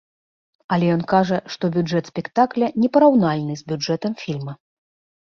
Але ён кажа, што бюджэт спектакля не параўнальны з бюджэтам фільма.